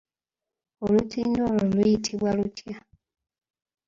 Olutindo olwo luyitibwa lutya?